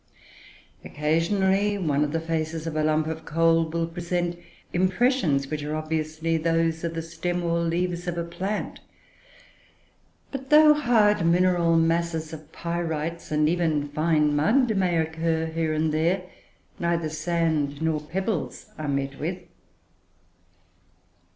Occasionally one of the faces of a lump of coal will present impressions, which are obviously those of the stem, or leaves, of a plant; but though hard mineral masses of pyrites, and even fine mud, may occur here and there, neither sand nor pebbles are met with.